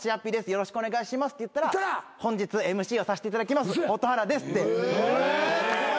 よろしくお願いします」って言ったら「本日ＭＣをさせていただきます蛍原です」って。え！